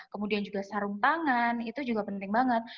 kemudian juga sarung tangan itu juga penting banget